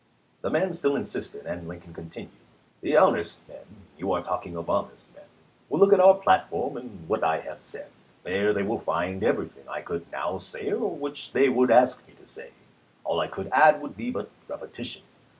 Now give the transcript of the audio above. The man still insisted, and Lincoln continued : "The honest men (you are talking of honest men) will look at our platform and what I have QUESTIONS AND ANSWERS 281 said. There they will find everything I could now ch. xvm. say, or which they would ask me to say. All I could add would be but repetition.